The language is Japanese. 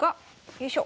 よいしょ。